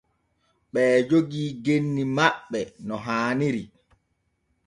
Ɓee jogii genni maɓɓe no haaniri.